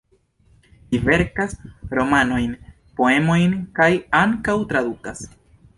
Li verkas romanojn, poemojn kaj ankaŭ tradukas.